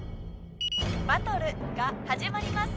バトルが始まります。